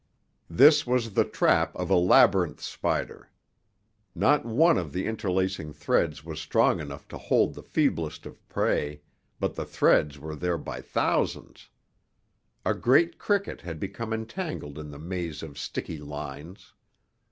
This was the trap of a labyrinth spider. Not one of the interlacing threads was strong enough to hold the feeblest of prey, but the threads were there by thousands. A great cricket had become entangled in the maze of sticky lines.